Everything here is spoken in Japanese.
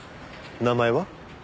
名前は？